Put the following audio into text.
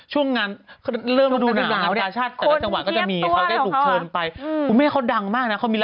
ช่วงงานเขาเริ่มมาดูหนาว